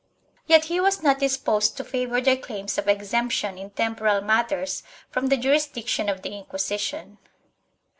Yet he was not disposed to favor their claims of exemp tion in temporal matters from the jurisdiction of the Inquisition.